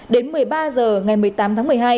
đến một mươi ba h ngày một mươi tám tháng một mươi hai